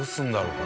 これ。